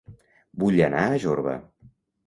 Vull anar a Jorba